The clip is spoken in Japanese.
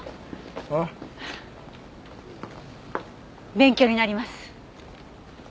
勉強になります。